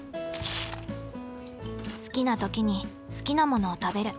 好きな時に好きなものを食べる。